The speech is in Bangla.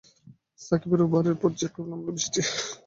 সাকিবের ওভারের পর ঝেঁপে নামল বৃষ্টি।